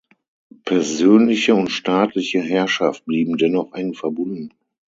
Persönliche und staatliche Herrschaft blieben dennoch eng verbunden.